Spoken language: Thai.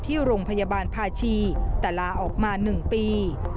ที่โรงพยาบาลภาชีแต่ลาออกมา๑ปี